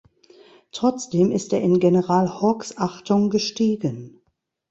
Trotzdem ist er in General Hawkes Achtung gestiegen.